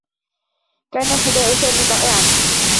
كان حذاء سامي ضائعا.